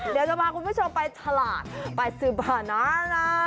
เดี๋ยวจะพาคุณผู้ชมไปตลาดไปซื้อบานานะ